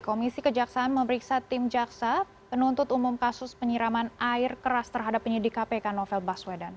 komisi kejaksaan memeriksa tim jaksa penuntut umum kasus penyiraman air keras terhadap penyidik kpk novel baswedan